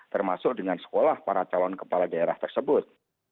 termasuk dengan sekolah para calon kepala daerah tersebut